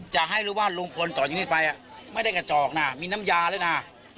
จะให้รู้ว่าลุงพลต่อจากนี้ไปไม่ได้กระจอกนะมีน้ำยาด้วยนะ